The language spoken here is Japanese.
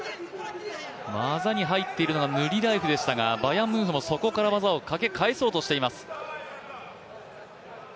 技に入っているのがヌリラエフでしたが、バヤンムンフもそこから技をかけ返そうとしています。